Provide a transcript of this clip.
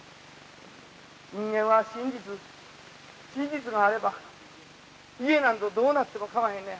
「人間は真実真実があれば家なんぞどうなってもかまへんのや。